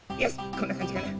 こんなかんじかな？